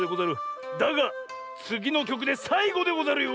だがつぎのきょくでさいごでござるよ！